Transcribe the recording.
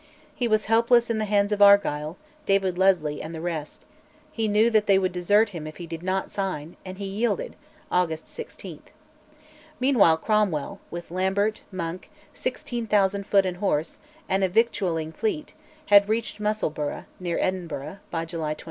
He was helpless in the hands of Argyll, David Leslie, and the rest: he knew they would desert him if he did not sign, and he yielded (August 16). Meanwhile Cromwell, with Lambert, Monk, 16,000 foot and horse, and a victualling fleet, had reached Musselburgh, near Edinburgh, by July 28.